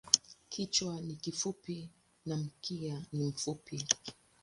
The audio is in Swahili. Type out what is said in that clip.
Kichwa ni kifupi na mkia ni mfupi.